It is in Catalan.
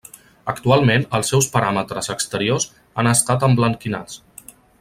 Actualment els seus paràmetres exteriors han estat emblanquinats.